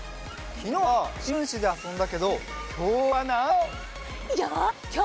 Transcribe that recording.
きのうはしんぶんしであそんだけどきょうはなんだろう？